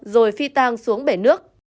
rồi phi tang xuống bể nước